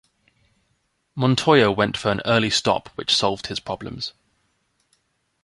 Montoya went for an early stop which solved his problems.